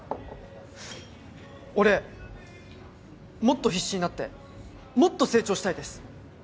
俺もっと必死になってもっと成長したいです。